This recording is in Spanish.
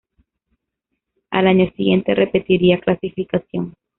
Al año siguiente repetirían clasificación.